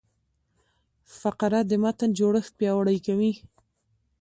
فقره د متن جوړښت پیاوړی کوي.